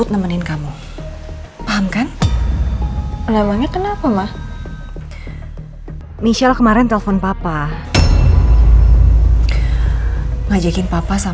terima kasih andin